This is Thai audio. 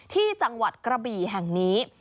ที่จังหวัดกระบี่แห่งนี้